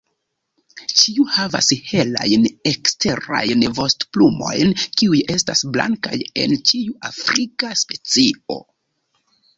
Ĉiu havas helajn eksterajn vostoplumojn, kiuj estas blankaj en ĉiu afrika specio.